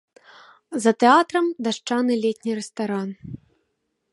За тэатрам дашчаны летні рэстаран.